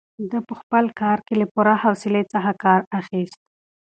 ده په خپل کار کې له پوره حوصلې څخه کار اخیست.